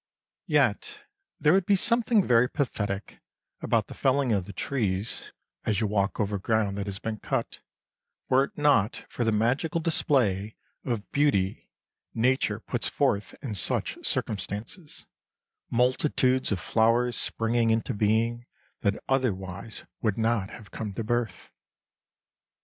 Yet there would be something very pathetic about the felling of the trees, as you walk over ground that has been cut, were it not for the magical display of beauty nature puts forth in such circumstances, multitudes of flowers springing into being that otherwise would not have come to birth.